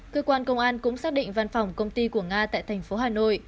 cơ quan công an cũng xác định văn phòng công ty của nga tại thành phố hà nội